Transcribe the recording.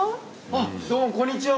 どうもこんにちは。